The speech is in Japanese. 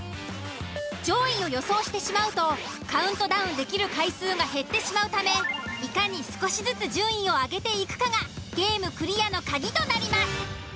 上位を予想してしまうとカウントダウンできる回数が減ってしまうためいかに少しずつ順位を上げていくかがゲームクリアの鍵となります。